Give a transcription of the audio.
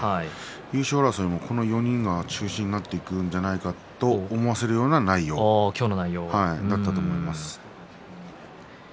優勝争いもこの４人が中心になっていくんじゃないかと思わせるような内容だったと思います。